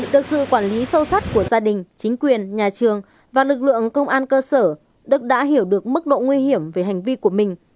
được sự quản lý sâu sắc của gia đình chính quyền nhà trường và lực lượng công an cơ sở đức đã hiểu được mức độ nguy hiểm về hành vi của mình